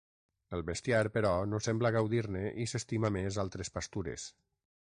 El bestiar, però, no sembla gaudir-ne i s'estima més altres pastures.